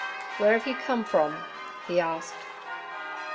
'Where have you come from?' he asked.